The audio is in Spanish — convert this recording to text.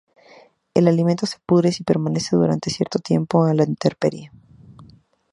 El alimento se pudre si permanece durante cierto tiempo a la intemperie.